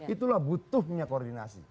itulah butuhnya koordinasi